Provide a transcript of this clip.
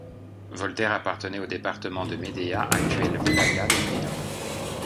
Voltaire appartenait au département de Médéa, actuelle wilaya de medea.